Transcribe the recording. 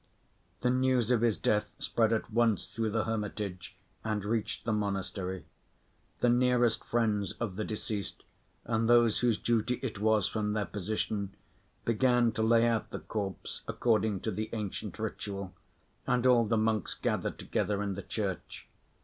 The news of his death spread at once through the hermitage and reached the monastery. The nearest friends of the deceased and those whose duty it was from their position began to lay out the corpse according to the ancient ritual, and all the monks gathered together in the church.